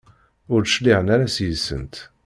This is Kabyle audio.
Ur d-cliɛen ara seg-sent.